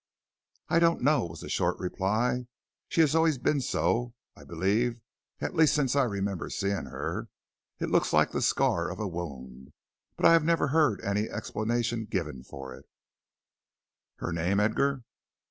"I don't know," was the short reply; "she has always been so, I believe, at least since I remember seeing her. It looks like the scar of a wound, but I have never heard any explanation given of it." "Her name, Edgar?"